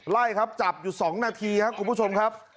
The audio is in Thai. ไล่ครับจับอยู่๒นาทีครับคุณผู้ชมครับ